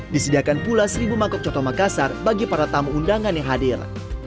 disediakan pula seribu mangkok coklat makassar bagi para tamu undangan yang hadir